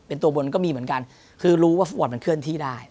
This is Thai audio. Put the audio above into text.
เป็นตัวบนก็มีเหมือนกันคือรู้ว่าฟุตบอลมันเคลื่อนที่ได้